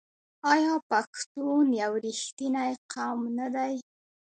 آیا پښتون یو رښتینی قوم نه دی؟